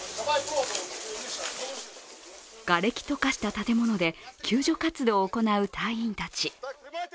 がれきと化した建物で救助活動を行う隊員たち。